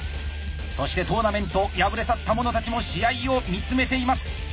そしてトーメントを敗れ去った者たちも試合を見つめています。